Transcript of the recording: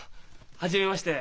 初めまして。